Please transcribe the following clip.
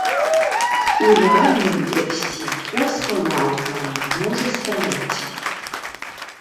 У рэальным тэксце коска ў аўтара можа стаяць.